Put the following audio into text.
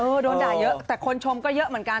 โดนด่าเยอะแต่คนชมก็เยอะเหมือนกัน